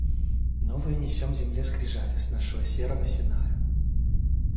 Новые несем земле скрижали с нашего серого Синая.